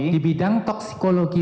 di bidang toksikologi